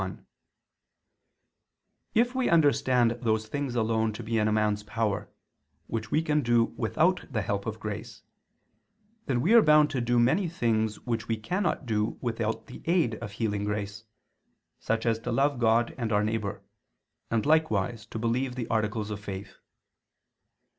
1: If we understand those things alone to be in a man's power, which we can do without the help of grace, then we are bound to do many things which we cannot do without the aid of healing grace, such as to love God and our neighbor, and likewise to believe the articles of faith.